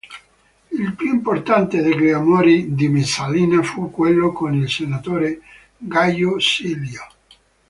Il più importante degli amori di Messalina fu quello con il senatore Gaio Silio.